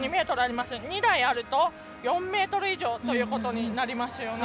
２台あると４ｍ以上ということになりますよね。